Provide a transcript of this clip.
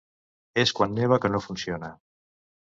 És quan neva que no funciona.